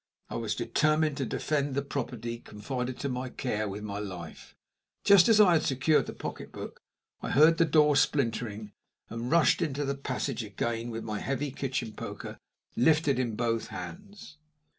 I was determined to defend the property confided to my care with my life. Just as I had secured the pocketbook I heard the door splintering, and rushed into the passage again with my heavy kitchen poker lifted in both hands.